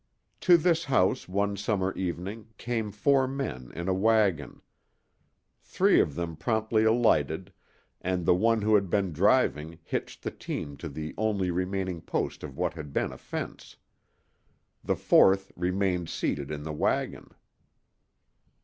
To this house, one summer evening, came four men in a wagon. Three of them promptly alighted, and the one who had been driving hitched the team to the only remaining post of what had been a fence. The fourth remained seated in the wagon.